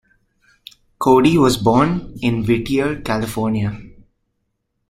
Cody was born in Whittier, California.